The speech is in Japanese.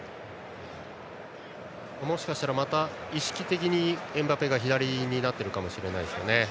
もしかしたらまた意識的にエムバペが左になっているかもしれません。